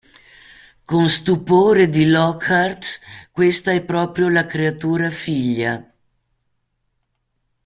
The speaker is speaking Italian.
Con stupore di Lockhart, questa è proprio la creatura figlia.